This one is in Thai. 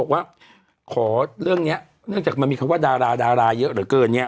ว่าขอเรื่องนี้เนื่องจากมันมีคำว่าดาราดาราเยอะเหลือเกินเนี่ย